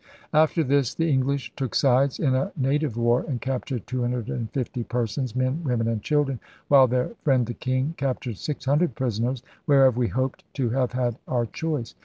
After this the English took sides in a native war and captured *250 persons, men, women, and children, ' while their friend the King captured *600 prisoners, whereof we hoped to have had our choice.